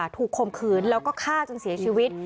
คมคืนแล้วก็ฆ่าจนเสียชีวิต